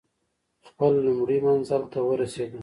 خپل لومړي منزل ته ورسېدو.